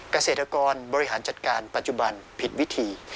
เกษตรกรบริหารจัดการปัจจุบันผิดวิธี